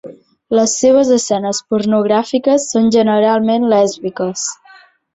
Les seves escenes pornogràfiques són generalment lèsbiques.